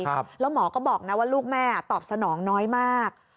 แล้วหมอก็บอกนะว่าลูกแม่ตอบสนองน้อยมาก